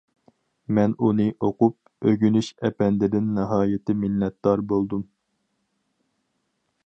مەن ئۇنى ئوقۇپ، «ئۆگىنىش» ئەپەندىدىن ناھايىتى مىننەتدار بولدۇم.